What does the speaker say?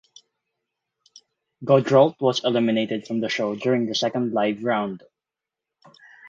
Gaudreault was eliminated from the show during the second live round.